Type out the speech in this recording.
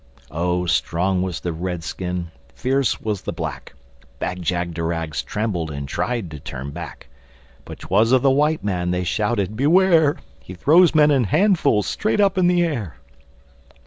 Oh, strong was the Red skin fierce was the Black. Bag jagderags trembled and tried to turn back. But 'twas of the White Man they shouted, "Beware! He throws men in handfuls, straight up in the air!"